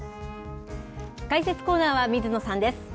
解説コーナーは水野さんです。